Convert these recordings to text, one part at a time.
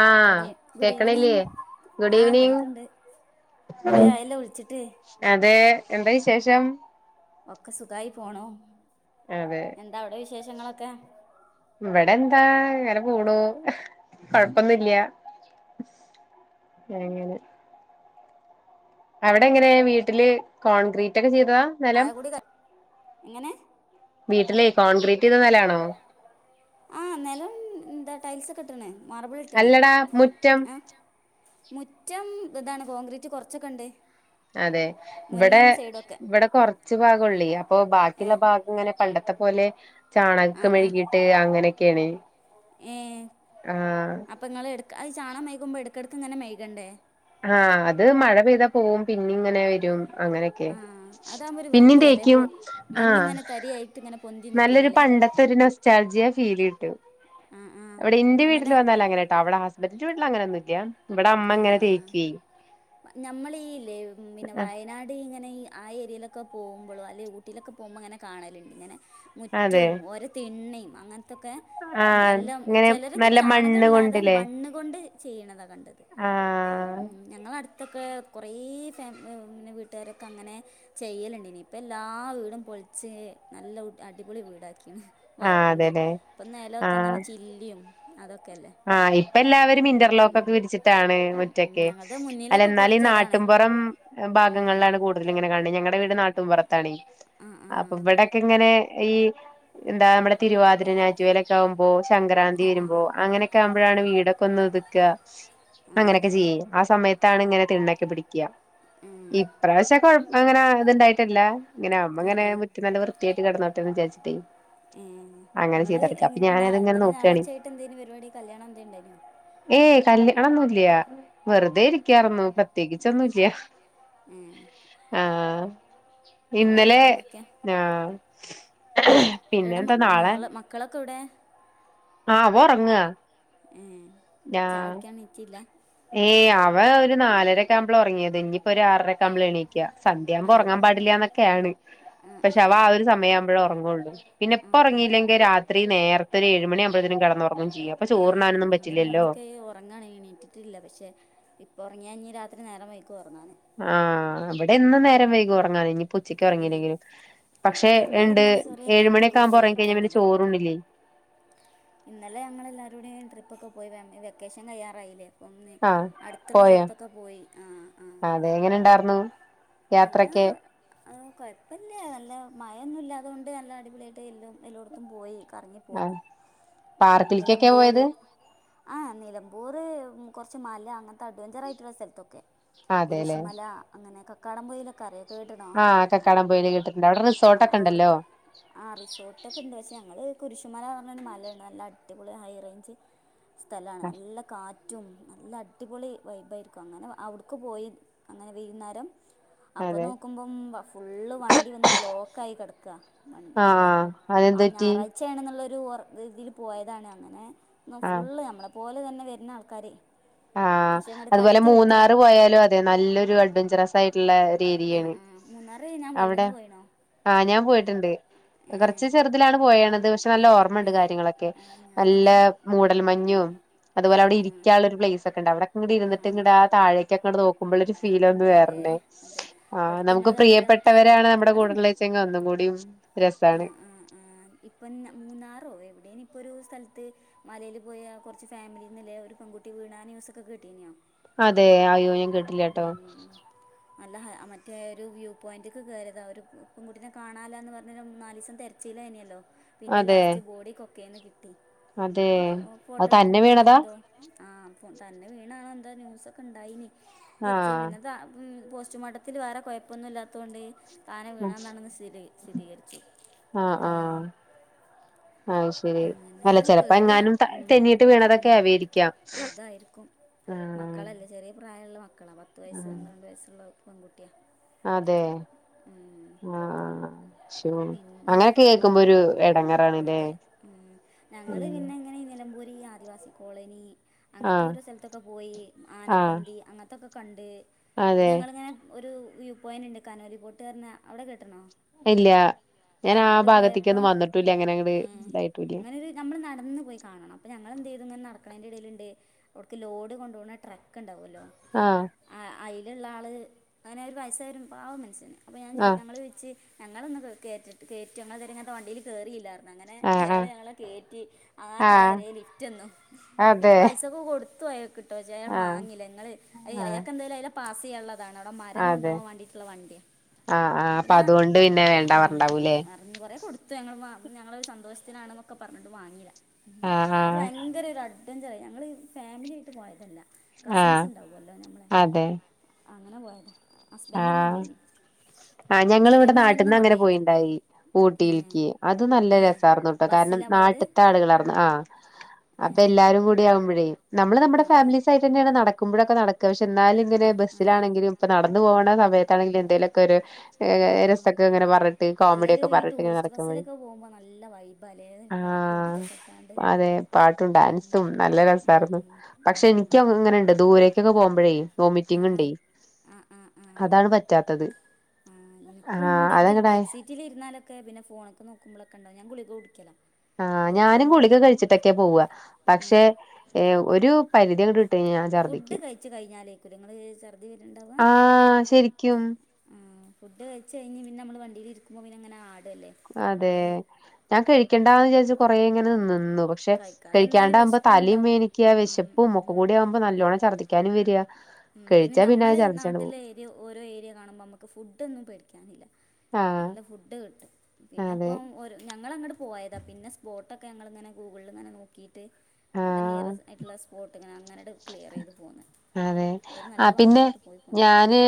ആ good good evening കേക്കണില്ലേ good ആഹ് evening കേൾക്ക്ണ്ട് കൊറേ ആയല്ലോ വിളിച്ചിട്ട് അതെ എന്താ വിശേ ശേഷം. ഒക്കെ സുഖായി പോണൂ. അതെ ഇവിടെ എന്താ ങ്ങനെ പോണു കൊഴപ്പൊന്നുംല്ല്യ അങ്ങനെ അവിടെ എങ്ങനെ വീട്ടില് കോൺക്രീറ്റ് ഒക്കെ ചെയ് തേക്കാ നെലം ചായ കുടി ക എങ്ങനെ വീട്ടിലേ കോൺക്രീറ്റ് ചെയത നെലാണോ? ആ നെലം എന്താ ടൈൽസക്കട്ട്ണ്. അല്ലടാ മുറ്റം മുറ്റം ഇതാണ് കോൺക്രീറ്റ് കൊറച്ചക്കെണ്ട്. അതെ ഇവടെ ഇവടെ കൊറച്ച് ഭാഗള്ളോയ് അപ്പൊ ബാക്കിള്ള ഏഹ് ഭാഗങ്ങനെ പണ്ട ത്ത പോലെ ചാണകക്കെ ആഹ് ആഹ് മെഴുകിയിട്ട് അങ്ങനെ ക്കേണ്. ആ അയ് ചാണം മെഴ്‌കുമ്പോ എടക്കട് ക്ക്ങ്ങനെ മെഴ്‌കണ്ടേ? ആ അത് മഴ പെയ്താ പോവും പിന്നിം ഇങ്ങനെ വരും. അങ്ങനെക്കെ ആഹ് അതാവുമ്പോ ഒരു പിന്നിം വൃത്തിയാല്ലേ പൊ തേക്കും ആ മണ്ണിങ്ങനെ തരിയായിട്ട് ഇങ്ങനെ പൊന്തി നല്ലൊരു നിക്കൂലല്ലേ പണ്ടത്തെ ഒരു നൊസ്റ്റാൾജിയ ഫീൽ കിട്ടും. ആഹ് ആഹ് ഇവിടെ ന്റെ വീട്ടില് അങ്ങനെ വന്നാല്ല് അങ്ങനെട്ടോ അവിടെ ഹസ്ബ എന്റെ വീട്ടില് അങ്ങനൊന്നും ഇല്ല ഇവിടെ അമ്മ ഇങ്ങനെ തേക്കേ നഞമ്മളള് ഈ ഇല്ലേ പിന്നെ വയനാട് ഈ ഇങ്ങ ന്നെഈ ആ ഏര്യയിലൊക്കെ പോമ്പോളും അല്ലേ ഊട്ടില്ലോക്കെ പോമ്പോങ്ങനെ കാണലുണ്ട് ഇങ്ങനെ അതെ മുറ്റോം ഓര തിണ്മ് അങ്ങന് തൊക്കെ ആഹ് നല്ല ഇങ്ങനെ ചെലരൊക്കെ നല്ല മണ്ണ് ചാണകില്ലാതെ കൊണ്ടില്ലേ മണ്ണ് കൊണ്ട് ചെയ്യണത ക ആഹ് ത്തൊക്കെ കൊറേ ഫാമ് ങ്ങന്നെ വീട്ടരൊക്കെ അങ്ങനെ ചെയ്യലുണ്ട്നി യിപ്പം എല്ലാ വീടും പൊളിച്ച് നല്ല അടിപൊളി വീടാക്കി ആഹ് വാർപ്പിന്റെ അതെല്ലേ ഇപ്പൊ നില്ലൊക്കെ ആഹ് ഇങ്ങനെ ചില്ലിം അതൊ ആഹ് ഇപ്പ എല്ലാവരും ഇന്റർലോക്ക് ഒക്കെ ഇന്റർലോക്കൊക്കെ വിരിച്ചിട്ടാണ് വിരിച്ചിട്ടാണ് വീട് മുറ്റക്കെ ഞങ്ങളുടെ അല്ല മുന്നിലൊക്കെ എന്നാല് ഈ കുറച്ചതാണ് നാട്ടുമ്പൊറം ഭാഗങ്ങളിലാണ് കൂടുതൽ ഇങ്ങനെ കാണുന്നത് ഞങ്ങടെ എന്റെ നാട്ടുംപുറ തണി ആ ആ അപ്പൊ ഇവിടൊക്കെങ്ങനെ ഈ എന്താ നമ്മുടെ തിരുവാതിര ഞാറ്റുവേല ഒക്കെ ആവുമ്പോ സംക്രാന്തി വരുമ്പോൾ അങ്ങനെ വുമ്പയാണ് വീട് ടക്കൊന്നു ഒതുക്കുവാ അങ്ങനെയൊക്കെ ചെയ്യും ആഹ് സമയത്ത് ട്ടാണ് ഇങ്ങനെ [unintelligible] പിടിക്കാ ആ ഇപ്രാവശ്യ കൊഴ അങ്ങനെ ഇത്ണ്ടായിട്ടില്ല ഇങ്ങനെ അമ്മങ്ങനെ ആ മുറ്റം നല്ല വൃത്തിയായിട്ട് കടന്നോട്ടെ എന്ന് വിചാരിച്ചിട്ടെ ഏ ഇങ്ങള് ന്ന ഞാനതിങ്ങനെ ഇന്നലെ നോക്കാണ് ഞായറാഴ്ച്ച ആയിട്ട് എന്തായിരുന്നു പരിപാടി കല്യാണം ന്തേലും ഇണ്ടായിനോ ണൊന്നില്ല വെറുതെ ഇരിക്കാറൊന്നു. പ്രത്യേകിചൊന്നുല്ല ഏ ആഹ് പിന്നെ ഇന്നലെ വേറെ എന്തൊക്കെയാ ആഹ് പിന്നെ ഇവിടെ എന്താ മോള് മക്കളൊക്കെ ഇവിടെ ആ പോറങ്ങ ഏയ് ന ഏയ് ആ അവ ഒരു നാലരൊക്കെകുമ്പോൾ ഉറങ്ങിയത് നി ഇപ്പൊ ഒരു ആറരക്കെകുമ്പൾ എണീക്കുക സന്തിയാകുമ്പോ ആ ഉറങ്ങാൻ ആ പാടില്ലന്നൊക്കെയാണ് പക്ഷെ അവ ആ ഒരു സമയ ആവുമ്പോഴെ ഉറങ്ങുള്ളൂ പിന്നെ ആ ഇപ്പ ആ ഉറങ്ങിയില്ലെങ്കിൽ രാത്രി നേർ ഒരു ഏഴ് മണിയുമ്പതേനും കടന്നു ഉറങ്ങും ചെയ്യും അപ്പ ചോറ് ഉണ്ണാനോ എന്റെ മോനൊക്കെ ഉറങ്ങണ എണീറ്റിട്ടില്ല പക്ഷെ ഇപ്പൾറങ്ങിയ ഞ്ഞി രാത്രി നേരം വൈ ആ അവിടെ ന്നും നേരം വൈകും ഉറങ്ങാന ഇനിപ്പച്ചക്ക് ഉറങ്ങീല്ലെങ്കിലും പക്ഷെ ഞങ്ങൾ ണ്ട് ഇന്നലെ ചെറിയൊരു ഏഴുമണിയൊക്കെ ട്രിപ്പൊക്കെ ആകുമ്പോ പോയി ഉറങ്ങി കഴിഞ്ഞ പിന്നെ വന്നതാണ് ചോറൂണില്ലേ ഇന്നലെ ഞങ്ങൾ എല്ലാരരൂടടെയും ട്രിപ്പ് ഒക്കെ പോയി വെക്കേഷൻ കയ്യാറായില്ലേ ആഹ് [unintelligible] അടുത്തുള്ള പോയോ സ്ഥലത്തൊക്കെ പോയി ആ ആ അതെ എങ്ങനെ ഉണ്ടായിരുന്നു നല്ല യാത്രൊക്കെ കൊഴപ്പ ല്ല നല്ല മ എന്നന്നുല്ല അതുണ്ട് നല്ല അടിപൊളിയായിട്ട് എല്ലും എല്ലോയിടത്തും പോയി കറങ്ങിപ്പോന്നു പാർക്കിലേക്കൊക്കെയ പോയത് ആ നിലമ്പൂർ കുറച്ച് മല് അങ്ങനത്തെ അഡ്വഞ്ചർ ആയിട്ടുള്ള സ്ഥലത്തൊക്കെ അതെല്ലേ കുരിശുമല അങ്ങനെയൊക്കെ- കടംുതി [unintelligible] ല കറി കേട്ടണോ ആഹ് കക്കാടം പൊയിൽ കേട്ടിട്ടുണ്ട് അവിടെ ആ റിസോർട്ടൊക്കെ ഉണ്ടല്ലോ അവിടുക്ക് ആ റിസോർട്ടൊക്കെ ഉണ്ട് പക്ഷേ ഞങ്ങള് കുരിശുമല അങ്ങ മലയാണ് നല്ല അടിപൊളി ഹൈറേഞ്ച് സ്ഥലമാണ് നല്ല കാറ്റ് ഏറ്റവും നല്ല അടിപൊളി വൈബായിരിക്കും അങ്ങനെ അവിടുക്ക് പോയി അങ്ങനെ വൈകുന്നേരം അപ്പൊ അതെ നോക്കുമ്പം ഫുള്ള് വണ്ടി വന്ന് ബ്ലോക്ക് ആയി കിടക്ക ശിക്ക [unintelligible] മ അവിടെ ആഹ് ആ അതെന്ത് പറ്റി ഞായറാഴ്ചയാണെന്നുള്ള- ഒരു- രീതിയിൽ പോയതാണ് അങ്ങനെ ആഹ് ഫുള്ള് നമ്മള അതുപോലെ തന്നെ വരുന്ന ആൾക്കാരെ ആഹ് പക്ഷെ അങ്ങോട്ട് അതുപോലെ കടത്തി വിട്ടില്ല മൂന്നാറ് പോയാലും അതെ നല്ലൊരു അഡ്വെഞ്ചറസ് സൈഡില് ആഹ് ഏരിയാണ് ആഹ് മൂന്നാറ് ഞാൻ പോയിണ് അവിടെ ഇങ്ങള് പോയിണോ ആ ഞാൻ പോയിട്ടുണ്ട്. ഏഹ് കുറച്ച് ചെറുതിലാണ് പോയണത്. ക്ഷേ നല്ല ഓർമ്മുണ്ട് കാര്യങ്ങളൊക്കെ നല്ല മൂടൽ മഞ്ഞും അതുപോലെ അവിടെ ഇരുന്നിട്ട് ഇരിക്കാനുള്ള ഒരു പ്ലേസ് അവിടെക്കെ ഇരുന്നിട്ട് ഇങ്ങടെ ആ താഴേക്ക് അങ്ങോട്ട് നോക്കുമ്പോൾ ഒരു ഫീല് ഒന്ന് നോക്കുമ്പൾല്ലേ വേറെന്നയാ അതെ ആ ഇപ്പടുത്ത് നമുക്ക് ഇങ്ങള് കണ്ടില്ലേ മറ്റേ പ്രിയപ്പെട്ടവരാണ് നമ്മുടെ കൂടെള്ളച്ചാ ഒന്നും കൂടിയും ആ രസാണ് ആ ആ ഇപ്പൊ മൂന്നാറോ എവിടെ ഇപ്പോ ഒരു സ്ഥലത്ത് മലയിൽ പോയാ കുറച്ച് ഫാമിലിന്നില്ലെ ഒരു പെൺകുട്ടി വീണാ ആ ന്യൂസൊക്കെ കേട്ടീനെയോ? അതേ അയ്യോ ഞാൻ കേട്ടില്ല ട്ടോ. നല്ല മറ്റേ ഒരു വ്യൂ പോയിന്റ്ക്ക് കയറിയതാ ഒരു പെൺകുട്ടിനെ കാണാനില്ലാ എന്ന് പറ ന്നേരം നാല് ദിവസം തിരച്ചില് തന്നെയല്ലോ? പിന്നെ അതെ ലാസ്റ്റ് ബോഡി കൊ ക്കേന്ന് കി ട്ടി അതെ ഫോട്ടോ അത് തന്നെ എടുക്കുമ്പോളൊ അങ്ങനെ വീണതാ എന്തോ ആ അപ്പോ തന്നെ വീണാണോ എന്തോ ന്യൂസ് ഒക്കെ ഉണ്ടായിനി. തിരിച്ച ആഹ് പിന്നെന്താ [unintelligible] പോസ്റ്റ്മോർട്ടത്തിൽ വേറെ കുഴപ്പമൊന്നും ഇല്ലാത്തകൊണ്ട് താനെ വീണതാണന്ന് സ്ഥിതി സ്ഥിരീകരിക്കു ആ ആ അയ്ശെരി അങ്ങനെ അല്ല ചിലപ്പം പേടിയാ എങ്ങാനും ഉം തെന്നീട്ട് ഉം വീണതൊക്കെ ആവേരിക്കാം, അതായിരിക്കും ഉം ക്കളാ പത്ത് വയസ്സ് പന്ത്രണ്ട് വയസ്സുള്ള പെൺകുട്ടിയാ. അതെ ഉം ആ ശോ പിന്നെ അങ്ങനൊക്കെ കേക്കുമ്പോ ഉം ഒരു എടങ്ങാറാണ് ല്ലേ? അതെ ഉം ഞങ്ങള് പിന്നെ അങ്ങനെ നിലമ്പൂ ഈ ആദിവാസി കോളനി അങ്ങനത്തെ ആഹ് ഓരോ സ്ഥലത്തൊക്കെ പോയി ആഹ് ആനപ്പന്തി അങ്ങനത്തൊക്കെ കണ്ട് പിന്നെ അതെ ഞങ്ങളിങ്ങനെ ഒരു വ്യൂപോയിന്റുണ്ട് കനൂലൽ പോട്ട വരാ അവിടെ കെട്ടണോ ഇല്ല ഞാൻ ആ ഭാഗത്തേക്ക് ഒന്നും വന്നിട്ടുല്ല അങ്ങനെ അങ്ങട് ഇതായിട്ട് അങ്ങനെ ഒരു നമ്മൾ നടന്നന്ന് പോയി കാണണം അപ്പ ഞൾന്ത ചെയ്യ- ഇങ്ങനെ നടക്കണതിന്റെ ഇടയിലുണ്ട് അവിടേക്ക് ലോഡ് കൊണ്ടു പോകണ ട്രക്ക്ണ്ടാ ഉണ്ടാവുമല്ലോ ആഹ് ആ അയിലുള്ള ആള് അങ്ങനെ ഒരു വയസായ ഒരു പാവം മനുഷ്യനാ. അപ്പം ഞാൻ ചോ ആഹ് ഞങ്ങള് ചോയിച്ച് ഞങ്ങളൊന്ന് കേറ്റട്ട് കേറ്റോ ഞങ്ങള് ഇതുവരെ ഇങ്ങനത്തെ വണ്ടീല് കേറീല്ലാർന്ന്. ആഹ് അയാള് ആഹ് ഞങ്ങളെ കേറ്റി ആ തല ആഹ് വരെ ലിഫ്റ്റന്നു. പിന്നെ അതെ പൈസൊക്കെ കൊടുത് തു അയാക്ക്. [unintelligible] അയാള് ആഹ് മാങ്ങീല്ല. ങ്ങള് ആഹ് അയാക്കെന്തായാലും [unintelligible] പാസെയ്യാള്ളാ താണ്. അവടെ മരം അതെ കൊണ്ടോവാൻ വേണ്ടീട്ട്ള്ള വണ്ടിയാ. ആഹ് ആഹ് അപ്പൊ പിന്നെ അതുകൊണ്ട് പിന്നെ കൊറച്ച് വേണ്ട പറഞ്ഞിണ്ടാവൂല്ലേ [unintelligible] കൊറേ കൊടുത്തു. ഞങ്ങള് വാ ഞങ്ങളെയൊരു സന്തോഷ ത്തിനാണ്ന്നൊക്കെ പറഞ്ഞിട്ടും വാങ്ങീല. മ് ആഹ് അത് ആഹ് ഭയങ്കര ഒരു അട് ഡ്വഞ്ചറായി. ഞങ്ങള് ഫാമിലിയായിട്ട് പോയതല്ല. ആഹ് കസിൻസ് ഉണ്ടാവുവല്ലോ ഞമ്മളെ അങ്ങനെ പോയതാ. ഹസ്ബൻഡൊന്നും ഇല്ലേനി ആ ഞങ്ങള് ചെറിയ ഇവടെ മോനൊന്നും നാട്ടിന്ന് അങ്ങനെ കൊണ്ടോയില്ല പോയിണ്ടാകി. ഏ ഊട്ടിയിൽക്ക്. അത് നല്ല ഏ രസാർന്നു. ഇപ്പൊ കാരണം ബസ്സിലാ പോയത് നാട്ട്ത്താള്കളായിർന്ന് ആ ഏ അപ്പ എല്ലാരും കൂടി ആകുമ്പഴേ നമ്മള് നമ്മടെ ആ ആ ഫാമിലീസായിട്ടെന്നേണ് നട ക്കുമ്പഴക്ക നടക്ക പക്ഷെ എന്നാലും ഇങ്ങനെ ആ ആ ബസിലാണെങ്കിലും ഇപ്പ നട ന്ന് പോകണ സമയത്താണെങ്കിലും എന്തേലൊക്കൊര് ഏഹ് രസൊക്കെങ്ങനെ പറഞ്ഞിട്ട് കോമഡിയൊക്കെ അല്ലേലും ഈ പറഞ്ഞിട്ട് ഇങ്ങനെ ടൂറിസ്റ്റ് നടക്കുമ്പഴേ ബസ്സിലൊക്കെ പോകുമ്പോ നല്ല വൈബാല്ലേ ആ പാട്ടും ഇതൊക്കെ ഇട്ടാണ്ട് അതെ പഴേ പാട്ടും ഡാൻസും നല്ല രസായിർന്നു പക്ഷെ ഇൻക്ക്യങ്ങനെണ്ട് ദൂരേക്കൊക്കെ പോ [unintelligible] വൊമിറ്റിങ്ങിണ്ടേ ആ അതാണ് പറ്റാത്തത് ആ ആഹ് ഇൻക്കുണ്ടെങ്കിൽ അതങ്ങടായ ബേക്ക്സീറ്റിലിരുന്നാലൊക്കെ പിന്നെ ഫോണൊക്കെ നോക്കുമ്പളക്കെ കണ്ടോ ഞാൻ ഗുളികകുടിക്ക്യലാ ആ ഞാനും ഗുളിക കഴിച്ചിട്ടൊക്കെ പോവാ പക്ഷെ ഏഹ് ഒരു പരിധിയങ്ങട് വി ഫുഡ് കഴിച്ച് കഴിഞ്ഞാലേക്കുല്ലേ ഇങ്ങള് ഛർദി വരനിണ്ടാവുക ആ ശരിക്കും ഇം ഫുഡ് കഴിച്ച് കഴിഞ്ഞ് പിന്നമ്മള് വണ്ടിയിലിരിക്കുമ്പ പിന്നങ്ങന ആ അതേ ഞാൻ കഴി ക്കണ്ടാന്ന് വിചാരിച്ച് കൊറെേ ഇങ്ങനെ നിന്നു നോക് പക്ഷെ കഴിക്കാതെ നിന്നാൽ കഴിക്കാണ്ടാവുമ്പോ വിശപ്പും തലയും വേനിക്ക വിശപ്പും ഒക്ക ഉണ്ടാവും കൂടി ആവുമ്പോ നല്ലണ്ണം ർദ്ദിക്ക കാനും വെര്ആ മ്മ് പിന്നെ നമ്മെളെ ഈ നാട്ടിലെ ഏരിയ ഓരോ ഏരിയ കാണുമ്പോ നമുക്ക് ഫുഡൊന്നും പടിക്കാനില്ല ആഹ് നല്ല ഫുഡ് കിട്ടും പിന്നെ അതെ ഇപ്പ ഒര് ഞങ്ങളങ്ങട് പോയതാ പിന്നെ സ്പോട്ടൊക്കെ ഞങ്ങളിങ്ങനെ ഗൂഗിളിൽ ഇങ്ങനെ നോക്കി ട്ട് വിട ആഹ് നിയറസ്റ്റ് ആയിട്ടുള്ള സ്പോട്ട് അങ്ങനട് ക്ലിയറെത് പോന്ന് എന്തായാലും ആ നല്ല പിന്നെ ഭംഗിയായിട്ട് പോയി പോന്നു ഞാന്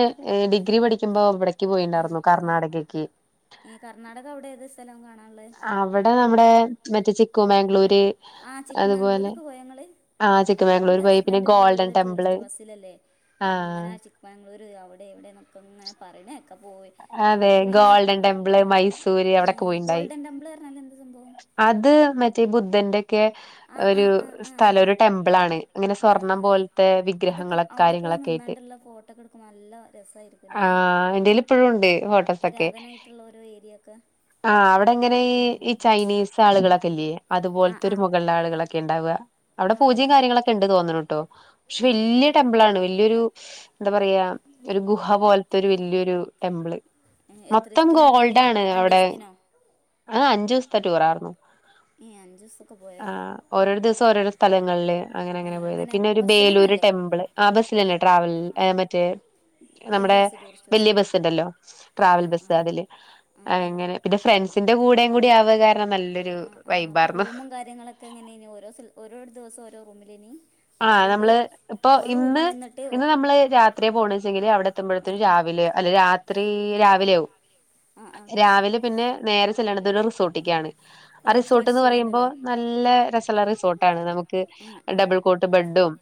ഡിഗ്രി പഠിക്കുമ്പോ ഇവിടക്ക് ആ പോയിണ്ടായിരുന്നു ആ കർണാടകക്ക് സ്ഥലവും കാണാം കുമാംഗ്ലുര് ആ ചിക്ക്മംഗ്ലൂരൊക്കെ പോയ ഇങ്ങള് ആഹ് ചിക്കമംഗ്ളൂർ എൻ്റെ പോയി പിന്നെ husband golden full temple tourist ബസ്സിലല്ലേ ആഹ് അങ്ങനെ ചിക്ക്മംഗ്ളൂര് അവിടെ ഇവിടെ നമുക്കങ്ങനെ പറെണേക്കാം അതെ ഗോൾഡൻ ടെമ്പിള് മൈസൂര് അവിടെക്കെ പോയിട്ടുണ്ടായി ഗോൾഡൻ ടെമ്പിൾ പറഞ്ഞാൽ എന്ത് സംഭവം അത് മറ്റേ ബുദ്ധന്റെക്കെ ആ ആ ഒരു ആ ആ സ്ഥലം ഒരു ടെമ്പിൾ ആണ് അങ്ങനെ ആ സ്വർണം ആ പോലത്തെ അതൊക്കെ വിഗ്രഹങ്ങളൊക്കെ അവിടൊക്കെ കാര്യങ്ങളൊക്കെ ആയിട്ട് നിന്നാണ്ടുള്ള ഫോട്ടോക്കെ എടുക്കുമ്പോ നല്ല ആ രസായിരിക്കുംല്ലേ എന്തേലും ഇപ്പോഴും ഉണ്ട് ഹോട്ടോസോക്കെ പുരാതനായിട്ടുള്ള ഓരോ ഏരിയ ഒക്കെ ആ അവിടെ ഇങ്ങനെ അവിടൊക്കെര് ഈ ചൈനീസ് ആളുകളൊക്കെല്ലേ ആ അതുപോലത്തോരു ആ മുകളില ആളുകളൊക്കെ ക്കെ ഇണ്ടാവുക അവിടെ പൂജയും കാര്യങ്ങളൊക്കെ ഉണ്ട് തോനണുട്ടോ പക്ഷെ വല്യ ടെമ്പിളാണ് വല്യൊരു എന്താ പറയാ ഒരു ഗുഹ തോന്നുന്നുട്ടോ പോലത്തെ ഒരു വല്യരു ടെമ്പിള് എത്ര മൊത്തം ദിവസത്തിനുള്ളതിന് ഗോൾഡാണ് രണ്ട് അവിടെ ദിവസത്തിനോ ആ അഞ്ചുദിവസത്തെ ടൂറായിരുന്നു ഏ അഞ്ച് ദിവസമൊക്കെ ആ പോയോ ഓരോരു ദിവസം ഓരോരു സ്ഥലങ്ങളില് അങ്ങനെ ഏ അങ്ങനെ പോയത് പിന്നെ ഒരു ബസ്സിൽ ബീയല്ലൂര് തന്നെല്ലേ ടെമ്പിൾ ആ ബസ്സിലല്ലേ ട്രാവൽ മറ്റേ വലിയ നമ്മുടെ ബസ്സ് ടൂറിസ്റ്റ് ബസ്സ് വലിയ ബസ് തുണ്ടല്ലോ ആ ട്രാവൽ ആ ആ ബസ് അതില് ആ ആ അങ്ങനെ പിന്നെ ഫ്രണ്ട്സി കൂടെയും കൂടി അവ ആ ആ അപ്പൊ റൂമും കാര്യങ്ങളൊക്കെ എങ്ങനെനു ഓരോ സല ഓരോ ദിവസം ഓരോ റൂമിലെനി ആ് നമ്മള് ഇപ്പൊ ഇന്ന് നിന്നിട്ട് ഇന്ന് നമ്മള് രാത്രിയെ പോണ വച്ചെങ്കില് അവിടെ എത്തുമ്പോഴത്തും രാവിലെ അല്ല രാത്രി രാവിലെ ആവും ആ ആ രാവിലെ പിന്നെ നേരെ ചെല്ലണതോര് റിസോട്ടിക്കാണ് ആ ഫ്രഷ് റിസോർട്ട്ന്ന് പറയുമ്പോ ചെയ്യാനല്ലേ നല്ല രസള്ള റിസോർട്ടാണ് നമുക്ക് ആ ആ ആ ഡബിൾ ബെഡ്ഡും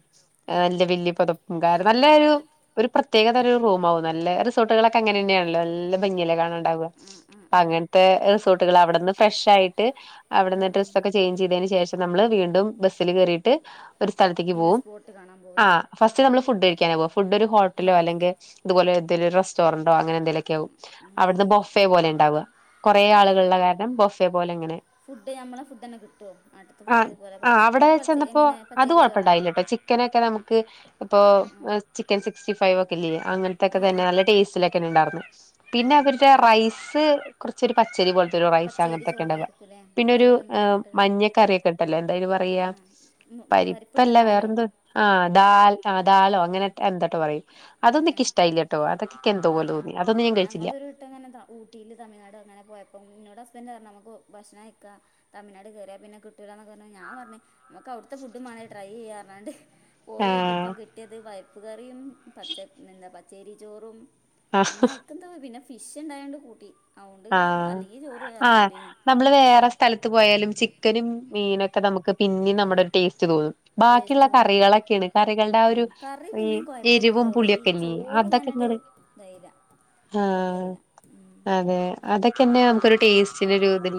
ആ വല്യ വല്യ പൊതപ്പും കാർ നല്ല ഒരു ഒരു പ്രത്യേക തരം ഒരു റൂംമാവും നല്ല അത് സ് റിസോർട്ടുകളൊക്കെ അങ്ങനെ തന്നെയാണല്ലോ നല്ല ഭംഗിയല്ലെ കാണാണ്ടാവുക ആ ആ അങ്ങനത്തെ റിസോർട്ടുകൾ അവിടെന്ന് ഫ്രഷ് ആയിട്ട് ആ അവിടുന്ന് ആ ഡ്രസ്സൊക്കെ ചേഞ്ച് ചെയ്തതിന് ശേഷം നമ്മള് വീണ്ടും ബസ്സിൽ കറിയിട്ട് ഒരു സ്ഥലത്തേക്ക് പിന്നെ പോവും സ്പോട്ട് കാണാൻ ആ പോവൂലേ ഫസ്റ്റ് നമ്മൾ ഫുഡ് കഴിക്കാന പോവും ഫുഡ് ഒരു ഹോട്ടലോ അല്ലെങ്കിൽ ഇതുപോലെ റെസ്റ്റോറന്റോ അങ്ങനെ ലക്ക ആവും ഉം അവിടുന്ന് ബൊഫെ പോലെ ഉണ്ടാവുക കുറെേ ഉം ആളുകളുടെ കാരണം ബൊഫെ പോലെ ഇങ്ങനെ ഫുഡ് നമ്മളെ ഫുഡ് തന്നെ കിട്ടുമോ നാട്ടിലത്തെ ആ ഫുഡ് പോലെ പച്ച അവിടെ പച്ച ചെന്നപ്പോ എങ്ങനെ അത് പച്ചേരി ചോറാണോ കുഴപ്പണ്ടായില്ലട്ടോ ചിക്കനൊക്കെ നമുക്ക് ഇപ്പോ ആ ആ ചിക്കൻ സിക്സ്റ്റി സ്റ്റിഫൈവകല്ലിയേ അങ്ങനതൊക്കെ ആ ആ തന്നെ നല്ല ടേസ്റ്റ്ലിക്കെ ഒക്കനെ ഉണ്ടായിരുന്നു ആ. പിന്നെ അവരുടെ റൈസ് കു ചെരി പച്ചരി പോലേ റൈസ് പച്ചേരി അങ്ങനത്തൊക്കെ ഉണ്ടല്ലോ ചോറായിരിക്കും അല്ലേ പിന്നെ ഒരു നല്ല വെന്ത് കണ്ടിരിക്കണ മഞ്ഞക്കറിയൊക്കെ ഇട്ടല്ലോ എന്താ അതിനു പറയാ ആ ഉം, ഇപ്പല്ല പരിപ്പിട്ടതാലോ വേറെന്തും ആ ആ ദാല് അങ്ങനെതെ എന്ത പറ അതൊന്നിക്ക ഇഷ്ടായില്ല കേട്ടോ അതൊക്കെ എന്തോ ആഹ് പോലെ തോന്നി അതൊന്നും ഞാൻ കഴിച്ചില്ല ഞങ്ങളൊരു വട്ടം അങ്ങനെ ഹസ്ബെൻറ് പറാ നമുക്ക് ഭക്ഷണം കഴിക്ക തിഴ്നാട് കയറിയാ പിന്നെ കിട്ടില്ലെന്ന്‌ പറഞ്ഞ ഞാ പറഞ്ഞഞ് നമുക്ക് അവിടുത്തെ ഫുഡുംമാണല്ലോ ട്രൈ ചെയ്യാ പറഞ്ഞാണ്ട് ആഹ് പോയൊക്കിയപ്പോ കിട്ടത് വായ പ്പുകറിയും പച്ച എന്താ പച്ചേരി ചോറും ആഹ് പിന്ന ഇക്കന്തോ പിന്നെ ഫിഷ് ഉണ്ടായോണ്ട് കൂട്ടി അതുകൊണ്ട് അല്ലെങ്കിൽ ചോറ് ആഹ ആ് ഇറങ്ങൂലേനി നമ്മള് വേറെ സ്ഥലത്ത് പോയാലും ചിക്കനും മീനൊക്കെ ഒക്കെ നമുക്ക് പിന്ന നമ്മുടെ ഒരു ടേസ്റ്റ് തോന്നും ബാക്കിയുള്ള ടേസ്റ്റ് തോന്നും കറികളൊക്കെയാണ് കറികളുടെ ആ ഒരു ഉം കറി ഈ പിന്നിം എരിവും കൊഴപ്പല്ലട്ടോ ഈ പുളിയൊക്കെല്ല ചോറ് അതൊക്കെ ഇങ്ങനട് ഇങ്ങണ് ഇതായില്ല റെഡി ആഹ ആയില്ല ഉം അതെ അതൊക്കെ തന്നെ നമുക്കൊരു ടേസ്റ്റി രതിൽ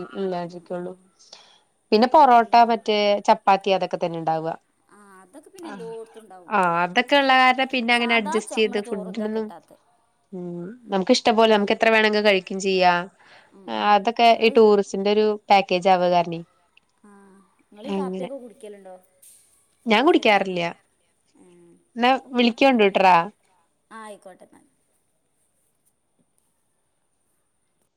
ആഹ് ഇള്ളായിരിക്കുള്ളൂ ആഹ് പിന്നെ പൊറോട്ട പിന്നെ മറ്റേ ചപ്പാത്തി അതൊക്കെ തന്നെ ഉണ്ടാവുക ആഹ് അതൊക്കെ പിന്നെ എല്ലോട്ത്തും ഉണ്ടാവും ആ അതൊക്കെ പൊറോട്ടൊക്കെ ഉള്ള കാരണം പിന്നെ അങ്ങനെ സാധാ ചോ അഡ്ജസ്റ്റ് ചെയ്ത് നമ്മളെ ചോറും ഇതൊക്കെ ഫുഡിനൊന്നും കിട്ടാത്തെ ഉ നമുകിഷ്ടപോലെ ഉം നമുക്ക് എത്ര വേണമെങ്കും കഴിക്കും ചെയ്യാം ഉം ചെയ്യാ ഉം അതൊക്കെ ഈ ഇങ്ങള് ടൂറിസ്റ്റിന്റൊരു പാക്കേ ജാവകാരണി ആ നിങ്ങളീ കാപ്പിയൊക്കെ കുടിക്കലുണ്ടോ കോഫിയൊക്കെ ഞാൻ കുടിക്കാറില്ല ഇം എന്നാ എന്ന വിളിക്കോണ്ടൂട്ടറാ വിളിക്കാണ്ടോട്രാ ആയിക്കോട്ടെന്നാല്